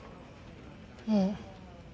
ええ。